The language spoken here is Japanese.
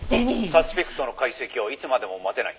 「サスピクトの解析をいつまでも待てない」